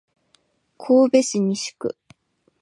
神戸市西区